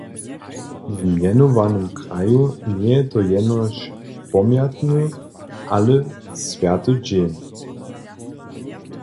W mjenowanym kraju njeje to jenož pomjatny, ale swjaty dźeń.